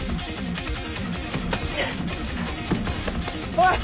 おい！